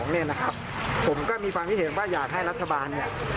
เราก็มีความวิเหตุว่าอยากให้รัฐบาล